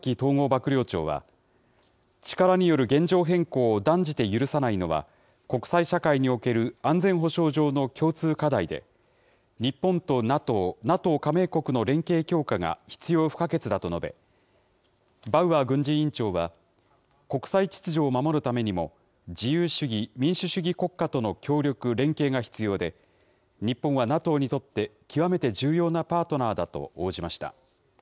幕僚長は、力による現状変更を断じて許さないのは、国際社会における安全保障上の共通課題で、日本とＮＡＴＯ、ＮＡＴＯ加盟国の連携強化が必要不可欠だと述べ、バウアー軍事委員長は、国際秩序を守るためにも、自由主義、民主主義国家との協力、連携が必要で、日本はＮＡＴＯにとって極めて重要なパートナーだと応じました。